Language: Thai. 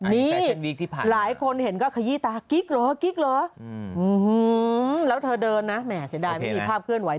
นี่หลายคนเห็นก็ขยี้ตากิ๊กเหรอกิ๊กเหรอแล้วเธอเดินนะแหมเสียดายไม่มีภาพเคลื่อนไห